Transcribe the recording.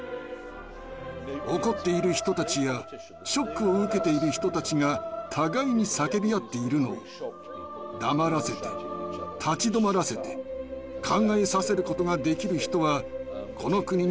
怒っている人たちやショックを受けている人たちが互いに叫び合っているのを黙らせて立ち止まらせて考えさせることができる人はこの国にほかにはいません。